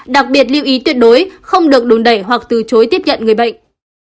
đặc biệt lưu ý tuyệt đối không được đùn đẩy hoặc từ chối tiếp nhận người bệnh